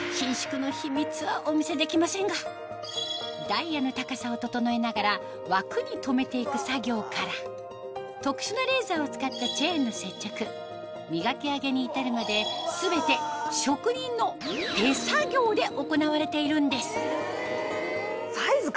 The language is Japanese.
ダイヤの高さを整えながら枠に留めて行く作業から特殊なレーザーを使ったチェーンの接着磨き上げに至るまで全て職人の手作業で行われているんですサイズ